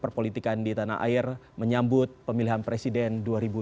dan juga politikan di tanah air menyambut pemilihan presiden dua ribu dua puluh empat